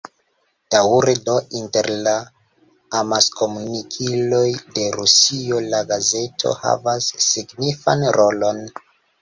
Daŭre do inter la amaskomunikiloj de Rusio la gazeto havas signifan rolon.